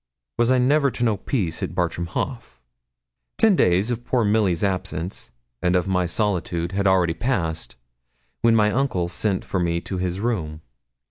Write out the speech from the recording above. Was I never to know peace at Bartram Haugh? Ten days of poor Milly's absence, and of my solitude, had already passed, when my uncle sent for me to his room.